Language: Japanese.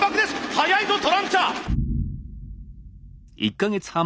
速いぞトランチャー！